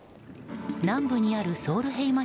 南部にあるソールヘイマ